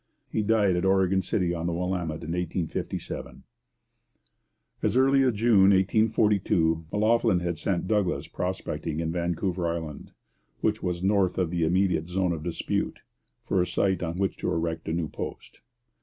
He died at Oregon City on the Willamette in 1857. As early as June 1842 M'Loughlin had sent Douglas prospecting in Vancouver Island, which was north of the immediate zone of dispute, for a site on which to erect a new post.